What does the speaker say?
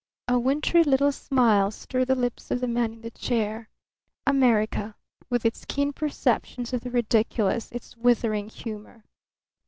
A wintry little smile stirred the lips of the man in the chair. America, with its keen perceptions of the ridiculous, its withering humour!